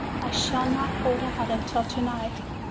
I shall not hold out until to night!